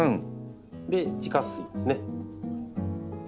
で地下水ですね。